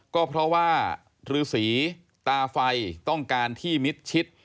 ก็เพราะว่าฤษีตาไฟต้องการที่มิดชิด